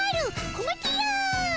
コマティア！